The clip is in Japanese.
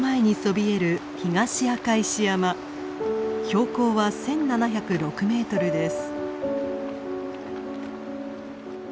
標高は１，７０６メートルです。